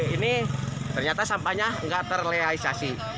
ini ternyata sampahnya nggak terlealisasi